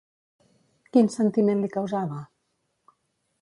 Quin sentiment li causava?